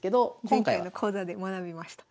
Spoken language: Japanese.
前回の講座で学びました。